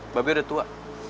mbak b udah tua